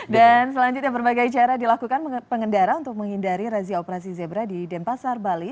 dan selanjutnya berbagai cara dilakukan pengendara untuk menghindari razia operasi zebra di denpasar bali